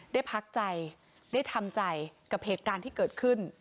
ได้พักใจได้ทำใจกับเหตุการณ์ที่เกิดขึ้น